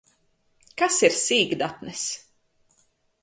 Kas ir sīkdatnes?